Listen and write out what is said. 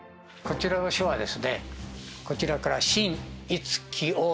こちらの書はですねこちらから。